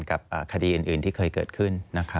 กับคดีอื่นที่เคยเกิดขึ้น